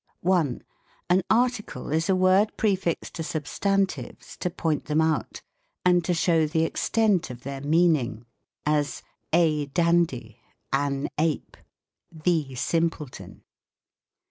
1. An Article is a word prefixed to substantives to point them out, and to show the extent of their meaning ; as, a dandy, an ape, the simpleton.